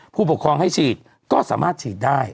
ผู้ปกครองให้ฉีดก็สามารถฉีดได้